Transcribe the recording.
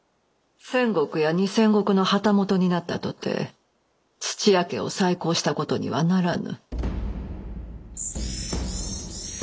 千石や２千石の旗本になったとて土屋家を再興したことにはならぬ。